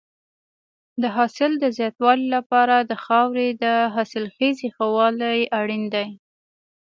د حاصل د زیاتوالي لپاره د خاورې د حاصلخېزۍ ښه والی اړین دی.